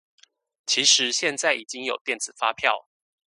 其實現在已經有電子發票